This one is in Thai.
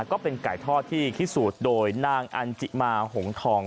ก็เป็นไก่ทอดที่พิสูจน์โดยนางอันจิมาหงทอง